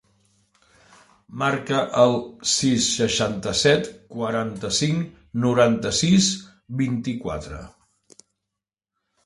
Marca el sis, seixanta-set, quaranta-cinc, noranta-sis, vint-i-quatre.